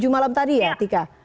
tujuh malam tadi ya tika